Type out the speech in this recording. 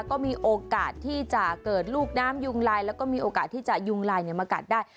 ก็มีโอกาสที่จะเกิดลูกน้ำยุงลายแล้วก็มีโอกาสที่จะยุงลายมากัดได้